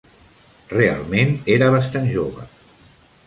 Realment era bastant jove.